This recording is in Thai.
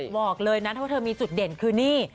บอกเลยนะถ้าว่าเธอมีจุดเด่นคือนี่